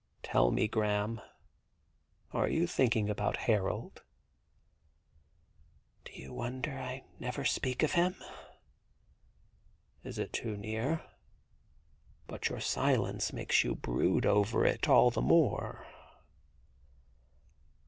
*Tell me, Graham, are you thinking about Harold ?'* Do you wonder I never speak of him ?' 'Is it too near? ... But your silence makes you brood over it all the more.'